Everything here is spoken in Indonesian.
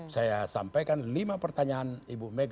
saya sampaikan lima pertanyaan ibu mega